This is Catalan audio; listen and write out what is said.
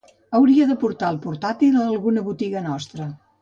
Hauria de portar el portàtil a alguna botiga nostra.